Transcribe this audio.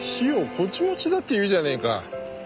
こっち持ちだって言うじゃねえか。